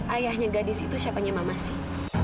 ayahnya gadis itu siapanya mama sih